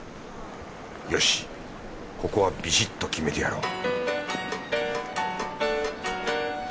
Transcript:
よしここはビシッと決めてやろう